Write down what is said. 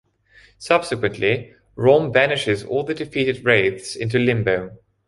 Subsequently, Rom banishes all the defeated Wraiths into Limbo.